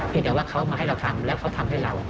แต่ว่าเขามาให้เราทำแล้วเขาทำให้เรา